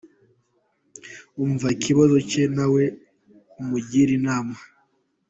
Umva ikibazo cye nawe umugire inama.